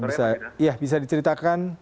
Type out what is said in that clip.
iya bisa diceritakan